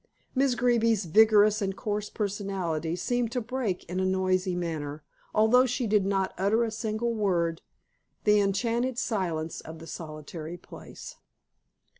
Miss Greeby's vigorous and coarse personality seemed to break in a noisy manner although she did not utter a single word the enchanted silence of the solitary place.